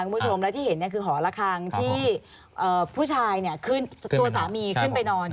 คุณผู้ชมแล้วที่เห็นคือหอระคังที่ผู้ชายขึ้นตัวสามีขึ้นไปนอน